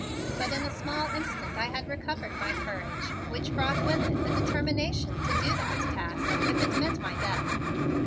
But in a small instant I had recovered my courage, which brought with it a determination to do that task if it meant my death.